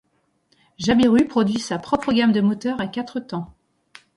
Jabiru produit sa propre gamme de moteurs à quatre temps.